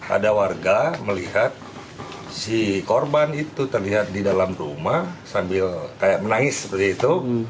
ada warga melihat si korban itu terlihat di dalam rumah sambil kayak menangis seperti itu